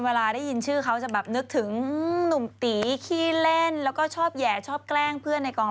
เวลาได้ยินชื่อเขาจะแบบนึกถึงหนุ่มตีขี้เล่นแล้วก็ชอบแห่ชอบแกล้งเพื่อนในกอง